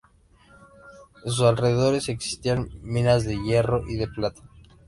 En sus alrededores existían minas de hierro y de plata.